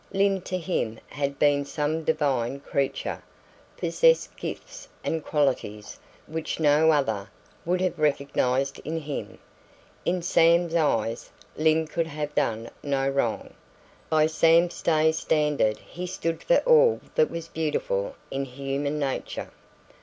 Lyne to him had been some divine creature, possessed gifts and qualities which no other would have recognised in him. In Sam's eyes Lyne could have done no wrong. By Sam Stay's standard he stood for all that was beautiful in human nature.